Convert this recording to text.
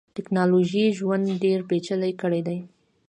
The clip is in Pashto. ټکنالوژۍ ژوند ډیر پېچلی کړیدی.